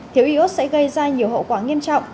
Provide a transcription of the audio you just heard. thiếu iốt sẽ gây ra nhiều hậu quả nghiêm trọng